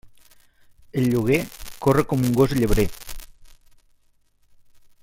El lloguer corre com un gos llebrer.